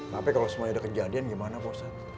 tapi kalau semuanya ada kejadian gimana pak ustadz